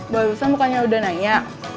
barusan mukanya udah nanya